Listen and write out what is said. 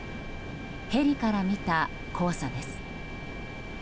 ヘリから見た黄砂です。